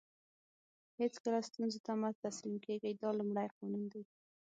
هیڅکله ستونزو ته مه تسلیم کېږئ دا لومړی قانون دی.